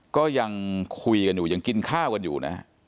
ก็ยังคุยกันอยู่ยังกินข้าวกันอยู่นะฮะ